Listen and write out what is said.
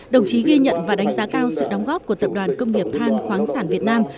đồng chí ghi nhận và đánh giá cao sự đóng góp của tập đoàn công nghiệp than khoáng sản việt nam